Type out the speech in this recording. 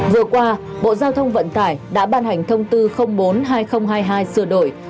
vừa qua bộ giao thông vận tải đã ban hành thông tư bốn hai nghìn hai mươi hai sửa đổi